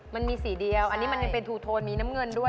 มันมีสีเดียวอันนี้มันยังเป็นทูโทนมีน้ำเงินด้วย